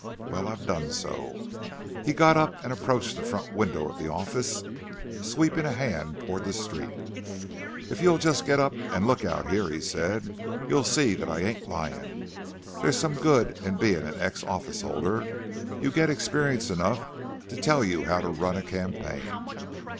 "Well, I've done so." He got up and approached the front window of the office, sweeping a hand toward the street. "If you'll just get up and look out here," he said, "you'll see that I ain't lying. There's some good in being an ex office holder you get experience enough to tell you how to run a campaign."